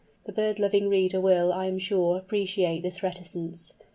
The bird loving reader will, I am sure, appreciate this reticence.